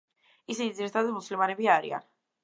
ისინი ძირითადად მუსლიმანები არიან.